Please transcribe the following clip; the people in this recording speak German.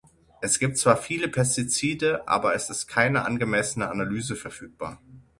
Es gibt zwar viele Pestizide, aber es ist keine angemessene Analyse verfügbar.